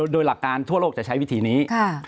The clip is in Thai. โดยหลักการทั่วโลกจะใช้วิธีนี้